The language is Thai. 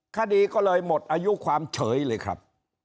คดีก็เลยหมดอายุความเฉยเลยครับ